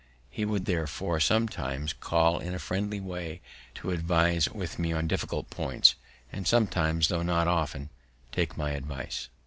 He would, therefore, sometimes call in a friendly way to advise with me on difficult points, and sometimes, tho' not often, take my advice.